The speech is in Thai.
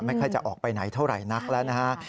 ไม่ค่อยจะออกไปไหนเท่าไหร่นักแล้วนะฮะ